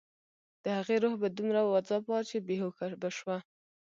د هغې روح به دومره وځاپه چې بې هوښه به شوه